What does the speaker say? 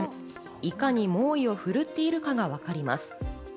いかに猛威をふるっているかが分かります。